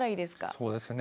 そうですね